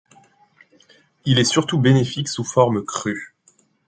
Il est surtout bénéfique sous forme crue.